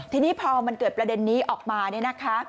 ทีนี้พอมันเกิดประเด็นนี้ออกมาเนี่ยนะคะ